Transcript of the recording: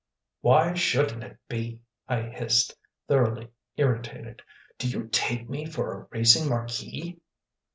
"Why shouldn't it be?" I hissed, thoroughly irritated. "Do you take me for a racing marquis?"